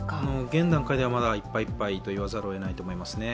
現段階では、まだいっぱいいっぱいといわざるを得ないですね。